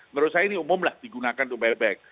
menurut saya ini umumlah digunakan untuk buyback